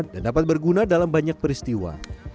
dan dapat berguna dalam banyak peristiwa